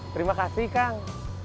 terima kasih kang